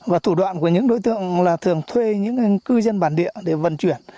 và thủ đoạn của những đối tượng là thường thuê những cư dân bản địa để vận chuyển